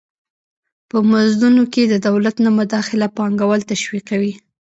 په مزدونو کې د دولت نه مداخله پانګوال تشویقوي.